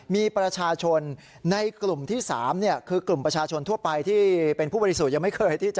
มีประชาชนในกลุ่มที่๓คือกลุ่มประชาชนทั่วไปที่เป็นผู้บริสุทธิ์ยังไม่เคยที่จะ